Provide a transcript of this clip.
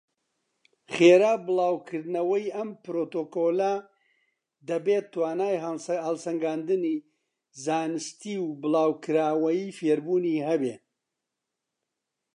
خێرا بڵاوکردنەوەی ئەم پڕۆتۆکۆڵە دەبێت توانای هەڵسەنگاندنی زانستی و بڵاوکراوەی فێربوونی هەبێت.